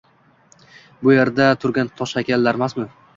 Bu yerda turgan tosh haykallarmasmi